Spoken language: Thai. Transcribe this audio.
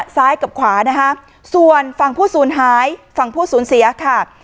ซ้ายกับขวานะคะส่วนฝั่งผู้สูญหายฝั่งผู้สูญเสียค่ะ